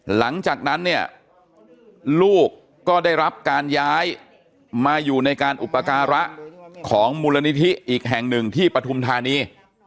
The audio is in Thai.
หลังจากนั้นเนี่ยลูกก็ได้รับการย้ายมาอยู่ในการอุปการะของมูลนิธิอีกแห่งหนึ่งที่ปฐุมธานี